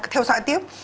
theo dõi tiếp